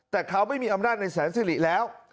แต่เขาไม่มีอำนาจในแสนสิริแล้ว